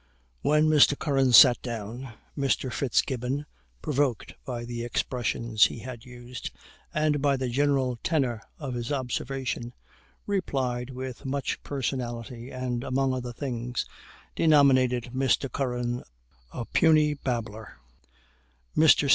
When Mr. Curran sat down, Mr. Fitzgibbon, provoked by the expressions he had used, and by the general tenor of his observation, replied with much personality, and among other things, denominated Mr. Curran a "puny babbler." Mr.